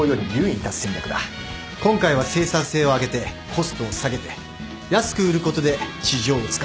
今回は生産性を上げてコストを下げて安く売ることで市場をつかむ